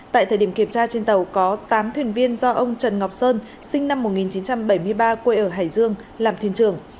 tại thời điểm kiểm tra trên tàu có tám thuyền viên do ông trần ngọc sơn sinh năm một nghìn chín trăm bảy mươi ba quê ở hải dương làm thuyền trưởng